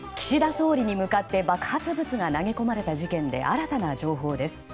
総理に向かって爆発物が投げ込まれた事件で新たな情報です。